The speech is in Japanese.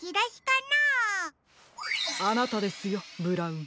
あなたですよブラウン。